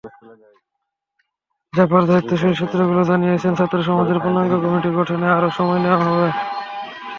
জাপার দায়িত্বশীল সূত্রগুলো জানিয়েছে, ছাত্রসমাজের পূর্ণাঙ্গ কমিটি গঠনে আরও সময় নেওয়া হবে।